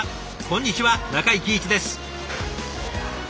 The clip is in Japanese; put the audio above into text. こんにちは中井貴一です。